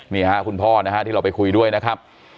นี่ฮะคุณพ่อนะฮะที่เราไปคุยด้วยนะครับ